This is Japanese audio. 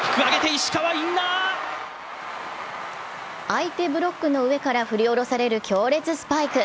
相手ブロックの上から振りおろされる強烈スパイク。